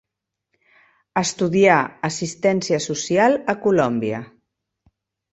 Estudià Assistència Social a Colòmbia.